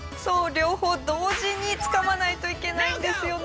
両方同時につかまないといけないんですよね。